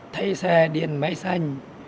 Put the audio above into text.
thấy xe điện máy xanh